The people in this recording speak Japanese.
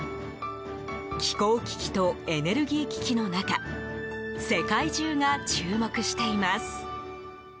気候危機とエネルギー危機の中世界中が注目しています。